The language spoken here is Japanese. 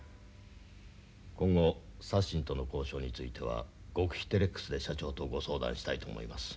今後サッシンとの交渉については極秘テレックスで社長とご相談したいと思います。